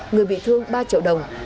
người bị thương ba triệu đồng